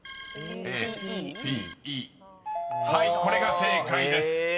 ［はいこれが正解です］